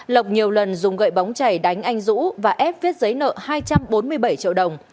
lộc nhiều lần dùng gậy bóng chảy đánh anh dũng và ép viết giấy nợ hai trăm bốn mươi bảy triệu đồng